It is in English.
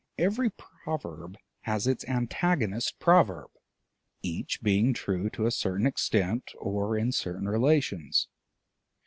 Every proverb has its antagonist proverb, each being true to a certain extent, or in certain relations.